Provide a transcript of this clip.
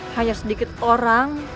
hanya sedikit orang